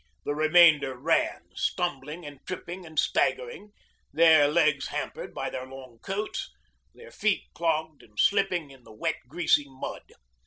The remainder ran, stumbling and tripping and staggering, their legs hampered by their long coats, their feet clogged and slipping in the wet, greasy mud.